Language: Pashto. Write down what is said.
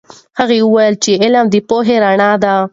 هغه وویل چې علم د پوهې رڼا ده.